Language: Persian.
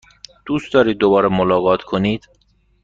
دوست دارید دوباره ملاقات کنید؟